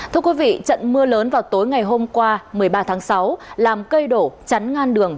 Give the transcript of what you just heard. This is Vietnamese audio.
thưa quý vị trận mưa lớn vào tối ngày hôm qua một mươi ba tháng sáu làm cây đổ chắn ngang đường